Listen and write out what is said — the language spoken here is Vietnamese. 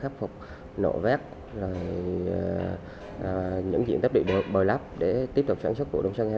phục nổ vét những diện tích bị bồi lắp để tiếp tục sản xuất vụ đông sân